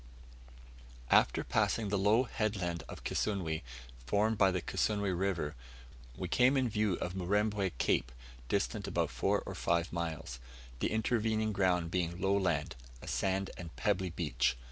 After passing the low headland of Kisunwe, formed by the Kisunwe River, we came in view of Murembwe Cape, distant about four or five miles: the intervening ground being low land, a sandy and pebbly beach.